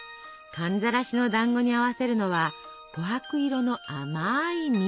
寒ざらしのだんごに合わせるのはこはく色の甘い蜜。